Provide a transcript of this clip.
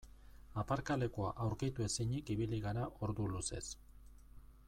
Aparkalekua aurkitu ezinik ibili gara ordu luzez.